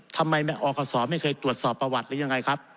ทำไมอคศไม่เคยตรวจสอบประวัติหรือยังไงครับ